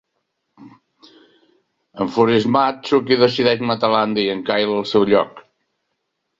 Enfurismat, Chucky decideix matar l'Andy i en Kyle al seu lloc.